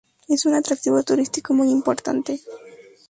Es un atractivo turístico muy importante.